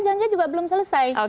jangan jangan juga belum selesai